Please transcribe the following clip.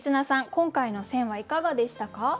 今回の選はいかがでしたか？